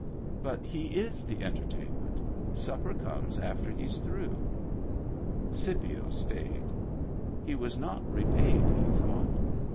" But he is the entertainment Supper comes after he's through." Scipio stayed. He was not repaid, he thought.